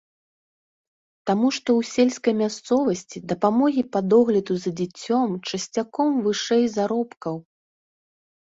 Таму што ў сельскай мясцовасці дапамогі па догляду за дзіцем часцяком вышэй заробкаў.